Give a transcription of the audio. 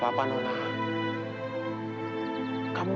dia di kasus mesyuang k jugops